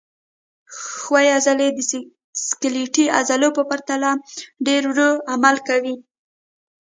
ښویې عضلې د سکلیټي عضلو په پرتله ډېر ورو عمل کوي.